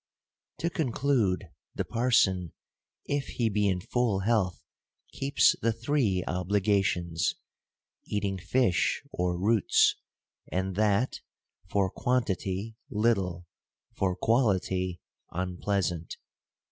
To conclude, the parson, if he be in full health, keeps the three obli gations ; eating fish or roots ; and that, for quantity little, for quality unpleasant.